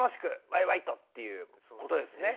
わいわいと！っていうことですね。